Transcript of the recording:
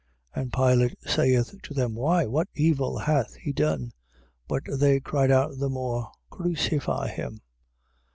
15:14. And Pilate saith to them: Why, what evil hath he done? But they cried out the more: Crucify him.